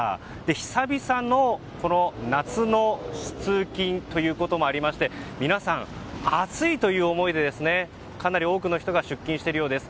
久々の夏の通勤ということもあり皆さん、暑いという思いでかなり多くの人が出勤しているようです。